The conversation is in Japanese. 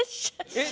えっ？